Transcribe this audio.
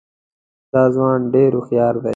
دا ځوان ډېر هوښیار دی.